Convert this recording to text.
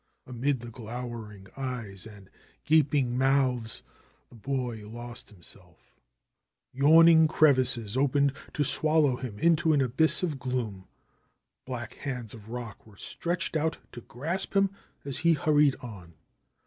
Amid the glowering eyes and gaping mouths the boy lost himself. Yawning 42 THE HERMIT OF SAGUENAY crevices opened to swallow him into an abyss of gloom. Black hands of rock were stretched out to grasp him as he hurried on.